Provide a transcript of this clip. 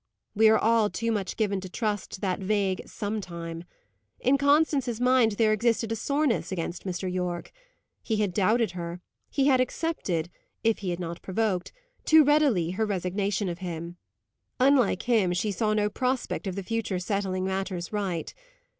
We are all too much given to trust to that vague "some time." In Constance's mind there existed a soreness against Mr. Yorke. He had doubted her; he had accepted (if he had not provoked) too readily her resignation of him. Unlike him, she saw no prospect of the future setting matters right.